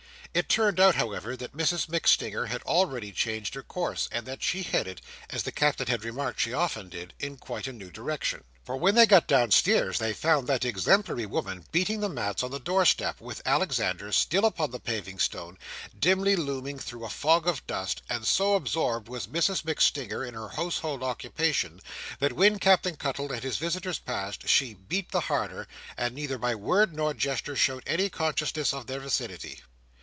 It turned out, however, that Mrs MacStinger had already changed her course, and that she headed, as the Captain had remarked she often did, in quite a new direction. For when they got downstairs, they found that exemplary woman beating the mats on the doorsteps, with Alexander, still upon the paving stone, dimly looming through a fog of dust; and so absorbed was Mrs MacStinger in her household occupation, that when Captain Cuttle and his visitors passed, she beat the harder, and neither by word nor gesture showed any consciousness of their vicinity.